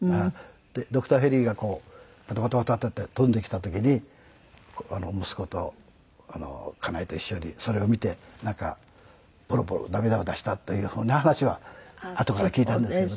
ドクターヘリがバタバタバタバタって飛んできた時に息子と家内と一緒にそれを見てなんかポロポロ涙を出したというふうな話はあとから聞いたんですけどね。